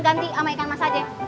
ganti sama ikan emas aja